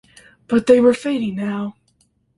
But they were fading now.